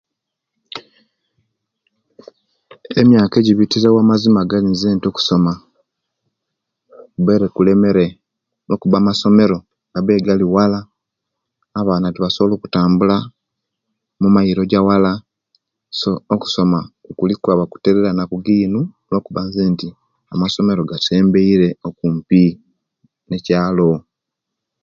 Emyaka ejibitirewo amazima Gali zenti okusoma kubaire kulemere; kuba amasomero gabaire wala, abaana tibasobola okutambula mumairo ejewala; so, okusoma kuli kwaba kuterera enaku jino, luwo kuba zenti amasomero gasembeire okumpi nekyaalo.